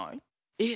えっ⁉